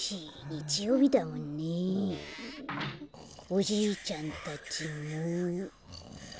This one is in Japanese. おじいちゃんたちも。